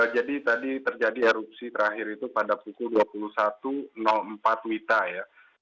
jadi tadi terjadi erupsi terakhir itu pada pukul dua puluh satu empat wita ya